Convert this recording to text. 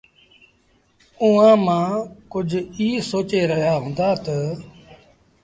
اُئآݩٚ مآݩٚ ڪجھ ايٚ سوچي رهيآ هُݩدآ تا